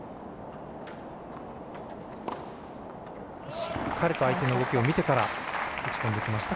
しっかりと相手の動きを見てから打ち込んでいきました。